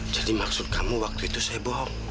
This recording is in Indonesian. jadi maksud kamu waktu itu saya bohong